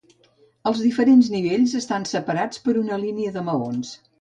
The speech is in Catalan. Els diferents nivells estan separats per una línia de maons.